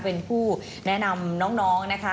เป็นผู้แนะนำน้องนะคะ